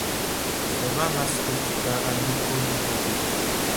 Зургаан нас хүрч байгаа нэг хөөрхөн хүү бий.